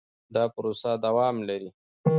دا پروسه دوام لري.